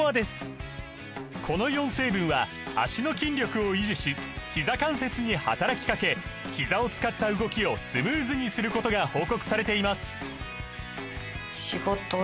この４成分は脚の筋力を維持しひざ関節に働きかけひざを使った動きをスムーズにすることが報告されています